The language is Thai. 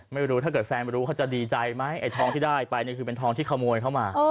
ถ้าเกิดแฟนไม่รู้เขาจะดีใจไหมไอ้ทองที่ได้ไปเนี่ยคือเป็นทองที่ขโมยเข้ามา